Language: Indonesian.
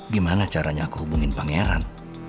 gimana caranya aku hubungin pangeran